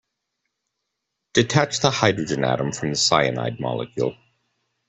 Detach the hydrogen atom from the cyanide molecule.